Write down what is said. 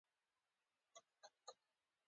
د لاس تڼاکه ملغلره ده.